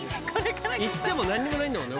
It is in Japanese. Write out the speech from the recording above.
行っても何もないんだもんね